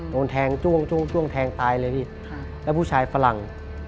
โดนแทงจุ้งจุ้ง